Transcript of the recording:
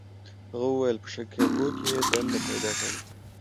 هغه وویل په شیکاګو کې یې دنده پیدا کړې ده.